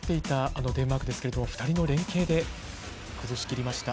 あのデンマークですが、２人の連係で崩し切りました。